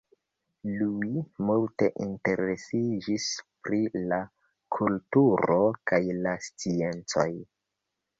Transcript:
Louis multe interesiĝis pri la kulturo kaj la sciencoj.